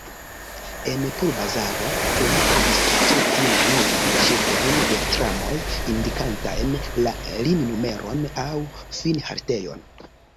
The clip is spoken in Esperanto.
En pulbazaro oni povis aĉeti malnovajn ŝildojn de tramoj indikantajn la lininumeron aŭ finhaltejon.